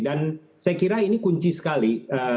dan saya kira ini kunci sekali